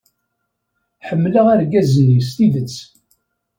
Ḥemmleɣ argaz-nni s tidet.